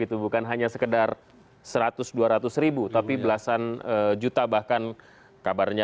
tadi kasih satu pers boost